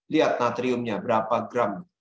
lihat natriumnya berapa gram